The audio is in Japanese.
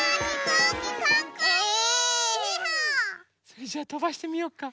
それじゃあとばしてみようか？